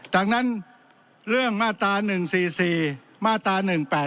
ดังนั้นเรื่องมาตรา๑๔๔มาตรา๑๘๘